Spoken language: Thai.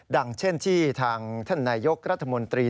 ดังเช่นที่ทางท่านนายยกรัฐมนตรี